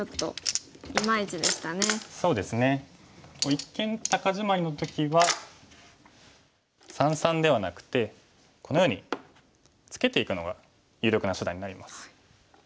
一間高ジマリの時は三々ではなくてこのようにツケていくのが有力な手段になります。